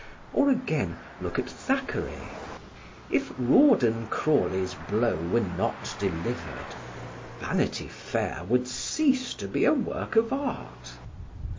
Or again look at Thackeray. If Rawdon Crawley's blow were not delivered, Vanity Fair would cease to be a work of art.